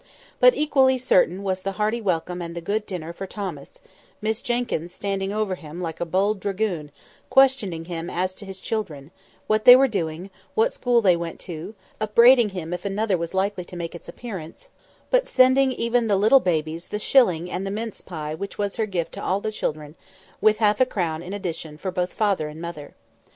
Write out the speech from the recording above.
But equally certain was the hearty welcome and the good dinner for Thomas; Miss Jenkyns standing over him like a bold dragoon, questioning him as to his children—what they were doing—what school they went to; upbraiding him if another was likely to make its appearance, but sending even the little babies the shilling and the mince pie which was her gift to all the children, with half a crown in addition for both father and mother.